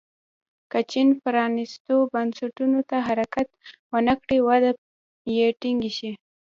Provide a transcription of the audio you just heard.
که چین پرانیستو بنسټونو ته حرکت ونه کړي وده یې ټکنۍ شي.